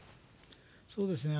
そうですね。